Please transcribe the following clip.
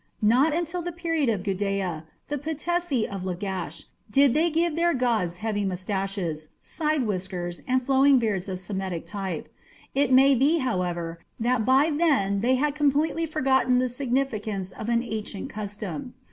Not until the period of Gudea, the Patesi of Lagash, did they give their gods heavy moustaches, side whiskers, and flowing beards of Semitic type. It may be, however, that by then they had completely forgotten the significance of an ancient custom.